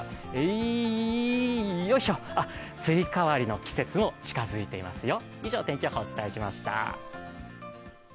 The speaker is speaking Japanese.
い、よいしょスイカ割りの季節も近づいておりますよ。